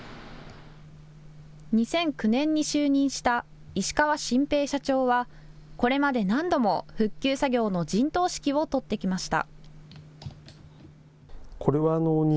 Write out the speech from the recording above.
２００９年に就任した石川晋平社長はこれまで何度も復旧作業の陣頭指揮を執ってきました。